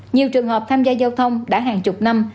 nhiều trường hợp tham gia giao thông đã hàng chục năm